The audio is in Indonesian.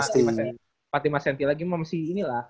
empat puluh lima cm lagi masih ini lah